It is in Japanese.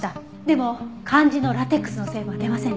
でも肝心のラテックスの成分は出ませんでした。